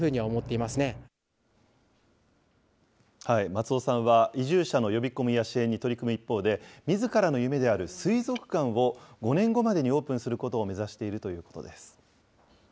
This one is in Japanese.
松尾さんは移住者の呼び込みや支援に取り組む一方で、みずからの夢である水族館を５年後までにオープンすることを目指しているということです。